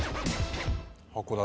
函館？